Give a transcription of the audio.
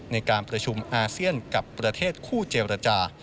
ในการประชุมอาเซียนกับประเทศคู่เจรจา